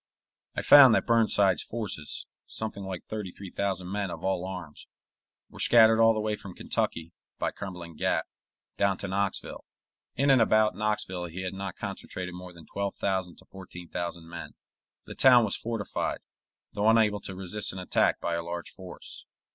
I found that Burnside's forces, something like thirty three thousand men of all arms, were scattered all the way from Kentucky, by Cumberland Gap, down to Knoxville. In and about Knoxville he had not concentrated more than twelve thousand to fourteen thousand men. The town was fortified, though unable to resist an attack by a large force.